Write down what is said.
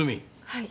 はい。